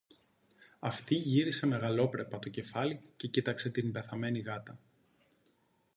Αυτή γύρισε μεγαλόπρεπα το κεφάλι και κοίταξε την πεθαμένη γάτα.